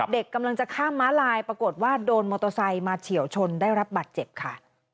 เด็กกำลังจะข้ามม้าลายปรากฏว่าโดนมอเตอร์ไซค์มาเฉียวชนได้รับบัตรเจ็บค่ะ